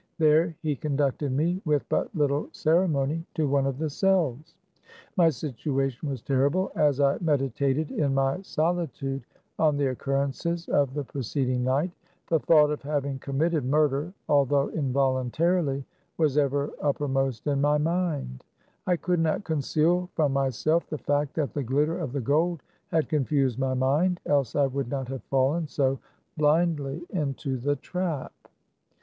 There he conducted me with but little ceremony, to one of the cells. My situation was terrible as I meditated in my solitude on the occurrences of the preced ing night. The thought of having committed murder, although involuntarily, was ever upper most in my mind. I could not conceal from my self the fact that the glitter of the gold had confused my mind, else I would not have fallen so blindly into the trap.